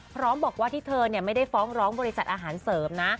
พร้อมบอกว่าที่เธอไม่ได้ฟ้องร้องบริษัทอาหารเสริมนะ